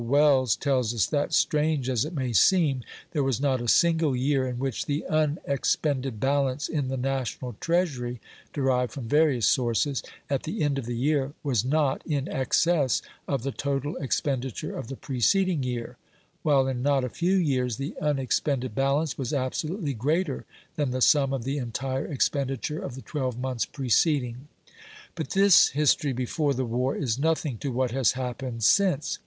Wells tells us that, strange as it may seem, "there was not a single year in which the unexpended balance in the National Treasury derived from various sources at the end of the year, was not in excess of the total expenditure of the preceding year; while in not a few years the unexpended balance was absolutely greater than the sum of the entire expenditure of the twelve months preceding". But this history before the war is nothing to what has happened since.